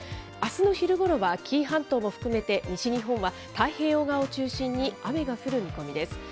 あすの昼ごろは紀伊半島も含めて、西日本は太平洋側を中心に雨が降る見込みです。